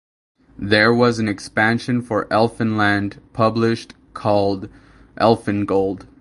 There was an expansion for "Elfenland" published, called "Elfengold".